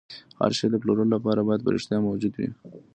هر شی د پلورلو لپاره باید په رښتیا موجود وي